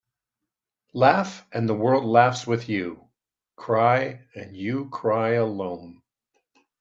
Laugh and the world laughs with you. Cry and you cry alone.